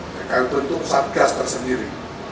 tergantung bentuk satgas tersendiri